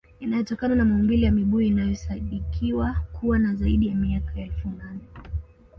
Inayotokana na maumbile ya mibuyu inayosadikiwa kuwa na zaidi ya miaka elfu nane